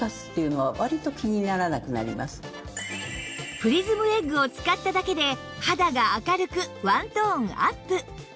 プリズムエッグを使っただけで肌が明るくワントーンアップ